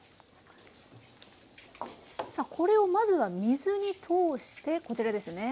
さあこれをまずは水に通してこちらですね。